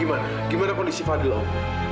gimana kondisi fadil om